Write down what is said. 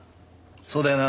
そうだよな？